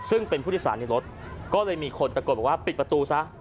ซึ่งเป็นผู้โดยสารในรถก็เลยมีคนตะโกนบอกว่าปิดประตูซะ